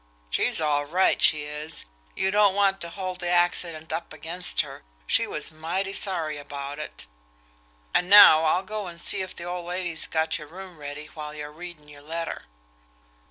She's all right, she is. You don't want to hold the accident up against her, she was mighty sorry about it. And now I'll go and see if the old lady's got your room ready while you're readin' your letter."